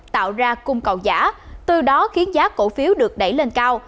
tạo ra cung cầu giả từ đó khiến giá cổ phiếu được đẩy lên cao